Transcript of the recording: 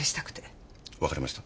わかりました。